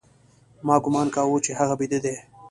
ما گومان کاوه چې هغه بيده دى.